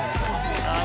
ああ